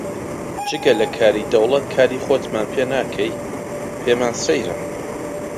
جگە لە کاری دەوڵەت کاری خۆتمان پێ ناکەی، پێمان سەیرە